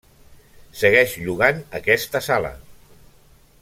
Segueix llogant aquesta sala.